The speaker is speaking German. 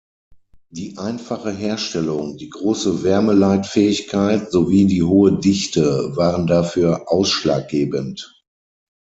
Die einfache Herstellung, die große Wärmeleitfähigkeit sowie die hohe Dichte waren dafür ausschlaggebend.